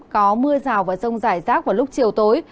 có mưa rào và rông rải rác vào lúc chiều tối